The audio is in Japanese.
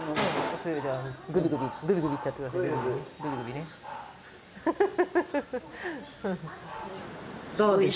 グビグビいっちゃって下さい。